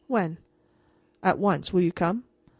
"When?" "At once. Will you come?"